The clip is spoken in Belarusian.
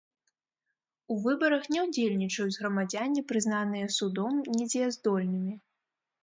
У выбарах не ўдзельнічаюць грамадзяне, прызнаныя судом недзеяздольнымі.